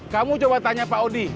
kamu coba tanya pak odi